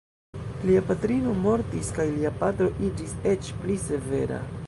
Lia patrino mortis kaj lia patro iĝis eĉ pli severa.